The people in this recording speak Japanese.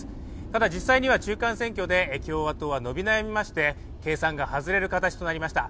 ただ実際には中間選挙で共和党は伸び悩みまして、計算が外れる形となりました。